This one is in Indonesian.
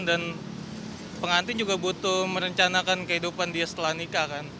dan pengantin juga butuh merencanakan kehidupan dia setelah nikah kan